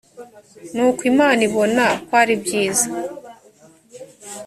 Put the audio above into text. nuko imana ibona ko ari byiza